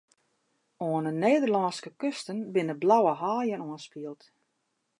Oan 'e Nederlânske kusten binne blauwe haaien oanspield.